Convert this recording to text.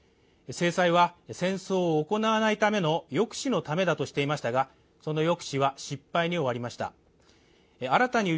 制裁は戦争を行わないための抑止のためだとしてましたがその抑止は失敗に終わりました。